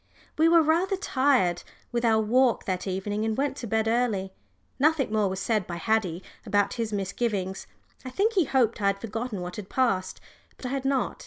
We were rather tired with our walk that evening and went to bed early. Nothing more was said by Haddie about his misgivings. I think he hoped I had forgotten what had passed, but I had not.